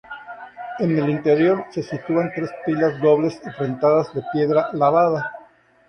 En el interior se sitúan tres pilas dobles enfrentadas de piedra lavada.